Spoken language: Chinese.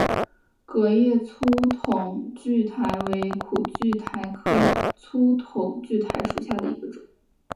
革叶粗筒苣苔为苦苣苔科粗筒苣苔属下的一个种。